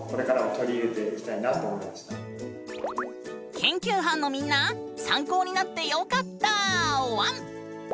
研究班のみんな参考になってよかったワン！